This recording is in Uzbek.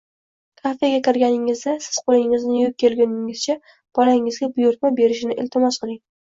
Kafega kirganingizda siz qo‘lingizni yuvib kelguningizcha bolangizga buyurtma berishini iltimos qiling